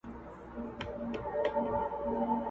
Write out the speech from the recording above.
o اصيله ځان دي کچه کی، چي کميس دي الچه کی!